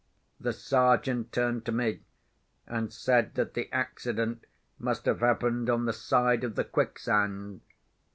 The Sergeant turned to me, and said that the accident must have happened on the side of the quicksand.